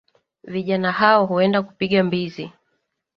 Vijana hao huenda kupiga mbizi